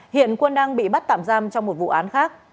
hiện quân đang bị bắt tạm giam trong một vụ án khác